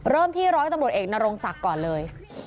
ที่ร้อยตำรวจเอกนรงศักดิ์ก่อนเลย